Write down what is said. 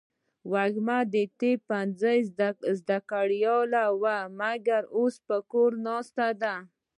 وږمه د طب پوهنځۍ زده کړیاله وه ، مګر اوس په کور ناسته ده.